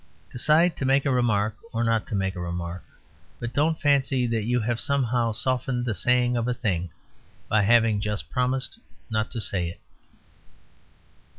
Decide to make a remark or not to make a remark. But don't fancy that you have somehow softened the saying of a thing by having just promised not to say it.